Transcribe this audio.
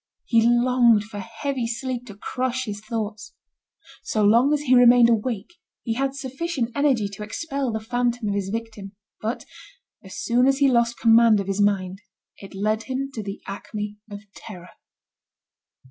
He longed for heavy sleep to crush his thoughts. So long as he remained awake, he had sufficient energy to expel the phantom of his victim; but as soon as he lost command of his mind it led him to the acme of terror.